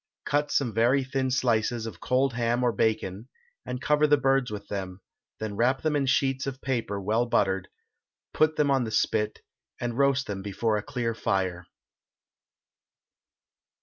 Cut some very thin slices of cold ham or bacon, and cover the birds with them, then wrap them in sheets of paper well buttered, put them on the spit, and roast them before a clear fire.